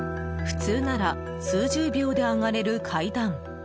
普通なら数十秒で上がれる階段。